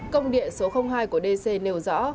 công địa số hai của dc nêu rõ